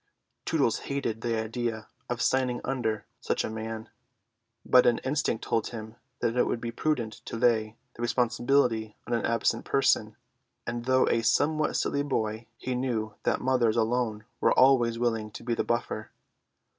Tootles hated the idea of signing under such a man, but an instinct told him that it would be prudent to lay the responsibility on an absent person; and though a somewhat silly boy, he knew that mothers alone are always willing to be the buffer.